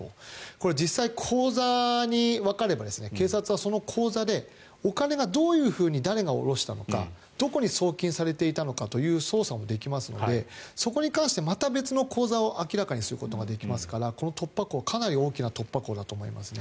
これ、実際に口座がわかれば警察はその口座でお金がどういうふうに誰が下ろしたのかどこに送金されていたのかという捜査もできますのでそこに関して、また別の口座を明らかにすることができますからこの突破口かなり大きな突破口だと思いますね。